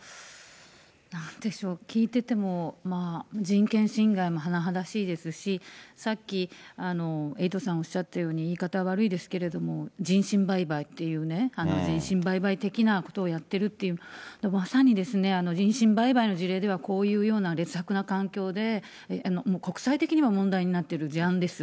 なんでしょう、聞いてても、人権侵害も甚だしいですし、さっきエイトさんおっしゃったように、言い方悪いですけど、人身売買というね、人身売買的なことをやってるっていう、まさに人身売買の事例では、こういうような劣悪な環境で、国際的にも問題になっている事案です。